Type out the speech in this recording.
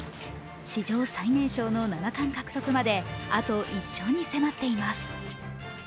史上最年少の七冠獲得まであと１勝に迫っています。